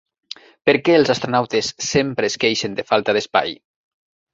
Per què els astronautes sempre es queixen de falta d'espai?